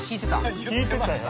聞いてた？